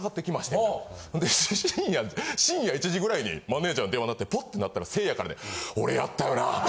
深夜１時ぐらいにマネジャーの電話鳴ってポッてなったらせいやからで。